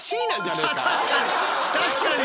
確かに！